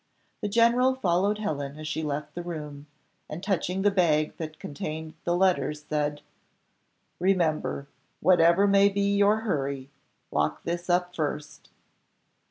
The general followed Helen as she left the room, and touching the bag that contained the letters, said, "Remember, whatever may be your hurry, lock this up first."